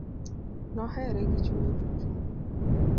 Nohere gi chunye duto.